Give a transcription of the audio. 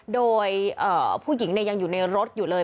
โดยผู้หญิงยังอยู่ในรถอยู่เลย